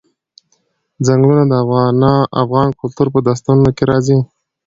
ځنګلونه د افغان کلتور په داستانونو کې راځي.